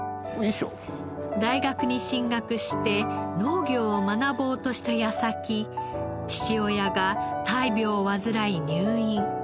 大学に進学して農業を学ぼうとした矢先父親が大病を患い入院。